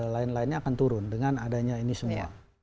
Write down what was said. lain lainnya akan turun dengan adanya ini semua